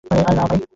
আরে না বাই।